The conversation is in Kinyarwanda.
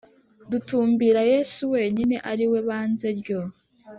dutumbira Yesu wenyine ari we Banze ryo